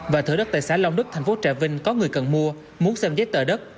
và thửa đất tại xã long đức thành phố trà vinh có người cần mua muốn xem giấy tờ đất